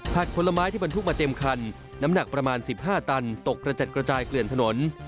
ผลไม้ที่บรรทุกมาเต็มคันน้ำหนักประมาณ๑๕ตันตกกระจัดกระจายเกลื่อนถนน